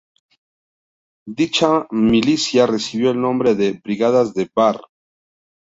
Dicha Milicia recibió el nombre de Brigadas de Badr.